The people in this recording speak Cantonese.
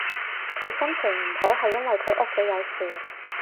佢心情唔好係因為佢屋企有事